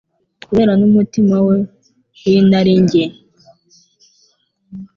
Kubera n'umutima we w'inarijye,